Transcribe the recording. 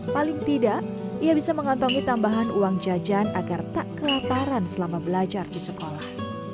paling tidak ia bisa mengantongi tambahan uang jajan agar tak kelaparan selama belajar di sekolah